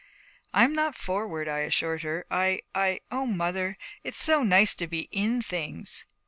'I'm not forward,' I assured her. 'I I, oh, mother, it's so nice to be in things.'